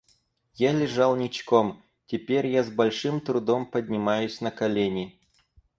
Я лежал ничком, теперь я с большим трудом поднимаюсь на колени.